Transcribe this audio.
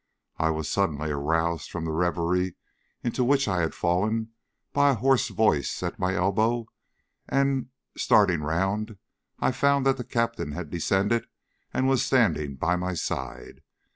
I was suddenly aroused from the reverie into which I had fallen by a hoarse voice at my elbow, and starting round I found that the Captain had descended and was standing by my side.